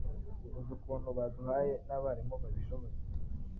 Uzi ukuntu baduhaye n’abarimu babishoboye!